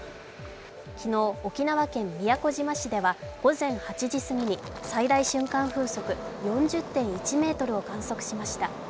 昨日、沖縄県宮古島市では午前８時すぎに最大瞬間風速４０．１メートルを観測しました。